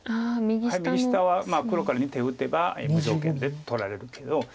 右下は黒から２手打てば無条件で取られるけど。